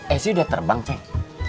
esi udah terbang ceng